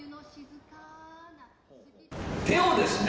手をですね